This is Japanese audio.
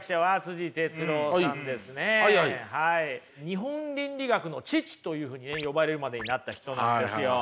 日本倫理学の父というふうに呼ばれるまでになった人なんですよ。